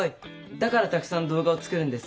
だからたくさん動画を作るんです！